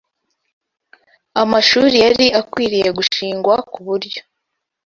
Amashuri yari akwiriye gushingwa ku buryo